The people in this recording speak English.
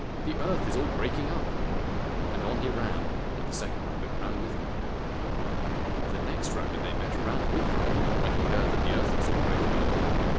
The earth is all breaking up !" And on he ran, and the second Rabbit ran with him. The next Rabbit they met ran with them when he heard that the earth was all breaking up.